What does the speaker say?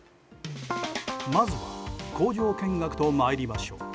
まずは工場見学とまいりましょう。